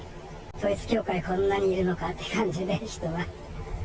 統一教会、こんなにいるのかって感じで、人が。